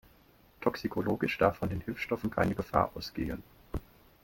Toxikologisch darf von den Hilfsstoffen keine Gefahr ausgehen.